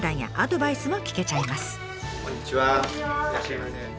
いらっしゃいませ。